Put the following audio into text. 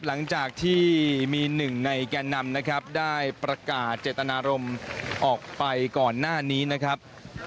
หลังจากที่มีหนึ่งในแก่นำนะครับได้ประกาศเจตนารมณ์ออกไปก่อนหน้านี้นะครับ